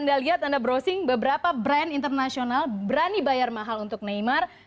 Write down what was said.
anda lihat anda browsing beberapa brand internasional berani bayar mahal untuk neymar